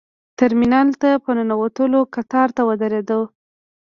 ترمینل ته په ننوتلو کتار ته ودرېدو.